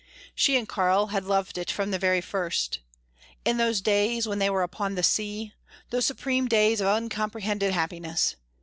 She and Karl had loved it from the very first: in those days when they were upon the sea, those supreme days of uncomprehended happiness.